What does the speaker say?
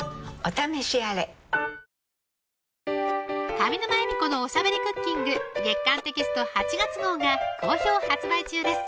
上沼恵美子のおしゃべりクッキング月刊テキスト８月号が好評発売中です